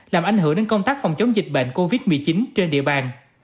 làm ảnh hưởng đến công tác phòng chống dịch bệnh covid một mươi chín trên địa bàn